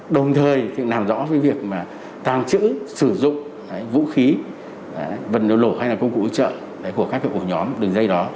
đồng thời làm rõ việc tăng trữ sử dụng vũ khí vận lộ hay là công cụ ưu trợ của các ổ nhóm đường dây đó